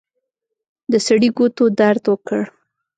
د سړي ګوتو درد وکړ.